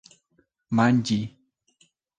manĝi